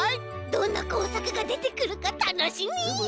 どんなこうさくがでてくるかたのしみ！